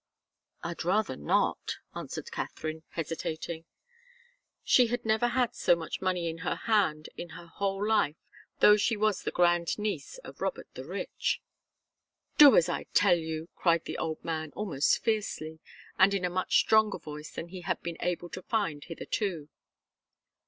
"I'd rather not," answered Katharine, hesitating. She had never had so much money in her hand in her whole life, though she was the grand niece of Robert the Rich. "Do as I tell you!" cried the old man, almost fiercely, and in a much stronger voice than he had been able to find hitherto.